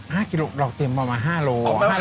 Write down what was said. ห๊ะ๕กิโลเราเตรียมมาประมาณ๕โล